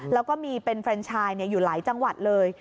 แล้วก็มีเป็นแฟนชายอยู่หลายจังหวัดเลย